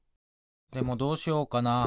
でもどうしようかな。